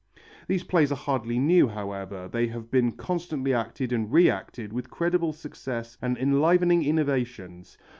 These plays are hardly new, however. They have been constantly acted and re acted with creditable success and enlivening innovations.